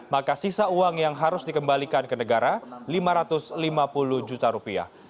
maka sisa uang yang harus dikembalikan ke negara lima ratus lima puluh juta rupiah